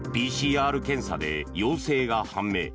ＰＣＲ検査で陽性が判明。